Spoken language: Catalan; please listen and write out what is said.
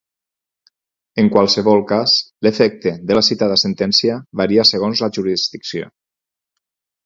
En qualsevol cas, l'efecte de la citada sentència varia segons la jurisdicció.